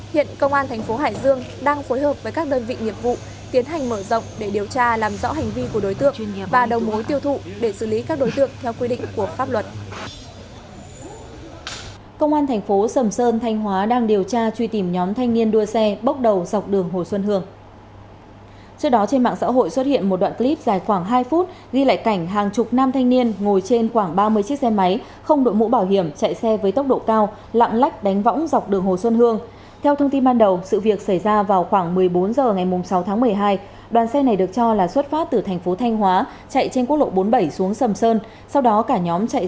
hiện công an thành phố hải dương đang phối hợp với các đơn vị nhiệm vụ tiến hành mở rộng để điều tra làm rõ hành vi của đối tượng và đầu mối tiêu thụ để xử lý các đối tượng theo quy định của pháp luật